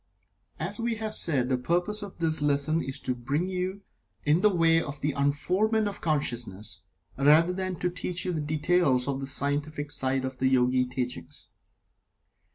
As we have said, the purpose of this lesson is to bring you in the way of the unfoldment of consciousness, rather than to teach you the details of the scientific side of the Yogi teachings.